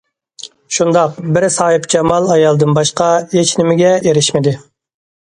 شۇنداق، بىر ساھىبجامال ئايالدىن باشقا ھېچنېمىگە ئېرىشمىدى.